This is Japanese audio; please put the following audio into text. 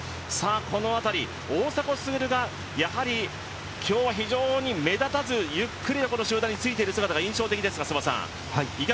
この辺り、大迫傑が今日は非常に目立たず、ゆっくりとこの集団についている姿が印象的ですが。